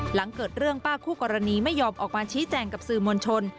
หลังเกิดเรื่องป้าคู่กรณีไม่ยอมออกมาชี้แจงกับสื่อมวลชน